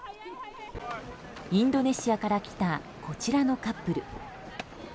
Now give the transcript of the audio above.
インドネシアから来たこちらのカップル。